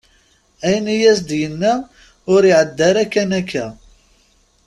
Ayen i as-d-yenna ur iɛedda ara kan akka.